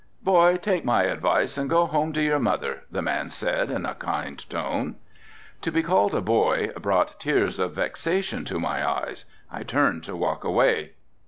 "Boy, take my advice and go home to your mother," the man said in a kind tone. To be called a boy brought tears of vexation to my eyes. I turned to walk away.